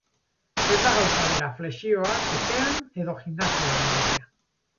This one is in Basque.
Ez da gauza bera flexioak etxean edo gimnasioan egitea.